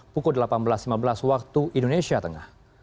pukul delapan belas lima belas waktu indonesia tengah